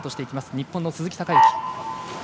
日本の鈴木孝幸。